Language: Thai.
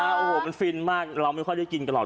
ก็บอกว่านี่นะฟินมากเราไม่ค่อยได้กินกันหรอก